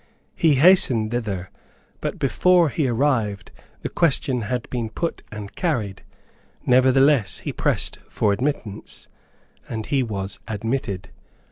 He hastened thither; but, before he arrived, the question had been put and carried. Nevertheless he pressed for admittance; and he was admitted.